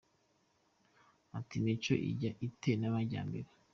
Ati “Imico ijyana ite n’amajyambere ?